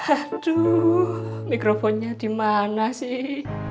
aduh mikrofonnya dimana sih